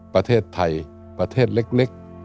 ประเทศไทยประเทศเล็ก